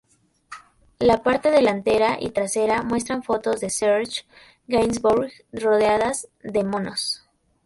La parte delantera y trasera muestran fotos de Serge Gainsbourg rodeadas de monos.